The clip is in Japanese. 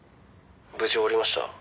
「無事終わりました？